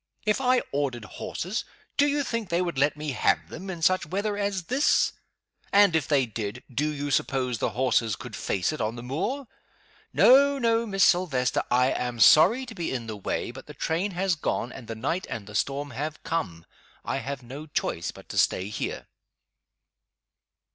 "If I ordered horses, do you think they would let me have them, in such weather as this? And, if they did, do you suppose the horses could face it on the moor? No, no, Miss Silvester I am sorry to be in the way, but the train has gone, and the night and the storm have come. I have no choice but to stay here!"